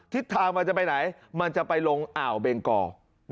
ทิศทางมันจะไปไหนมันจะไปลงอ่าวเบงกอ